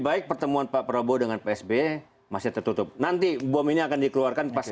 baik pertemuan pak prabowo dengan psb masih tertutup nanti bom ini akan dikeluarkan pasti